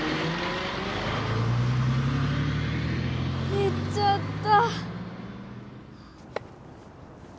行っちゃった。